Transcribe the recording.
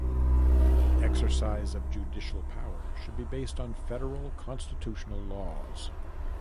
The exercise of judicial power should be based on federal constitutional laws.